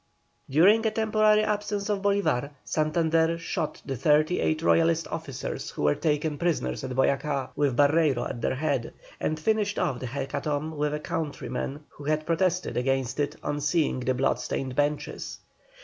During a temporary absence of Bolívar, Santander shot the thirty eight Royalist officers who were taken prisoners at Boyacá, with Barreiro at their head, and finished off the hecatomb with a countryman who had protested against it on seeing the blood stained benches.